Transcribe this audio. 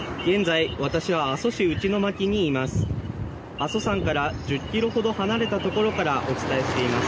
現在私は、阿蘇市内牧にいます。